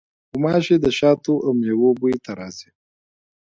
غوماشې د شاتو او میوو بوی ته راځي.